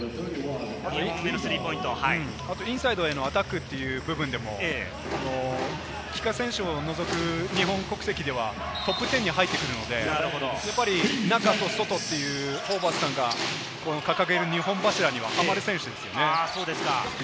あとインサイドへのアタックという部分でも、帰化選手を除く日本国籍ではトップテンに入ってくるので、中と外というホーバスさんが掲げる２本柱にははまる選手ですよね。